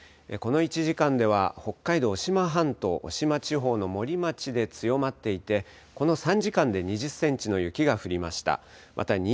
この１時間では北海道渡島半島渡島地方の森町で強まっていてこの３時間で２０センチの雪が降りました。